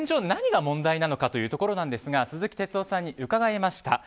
何が問題なのかというところですが鈴木哲夫さんに伺いました。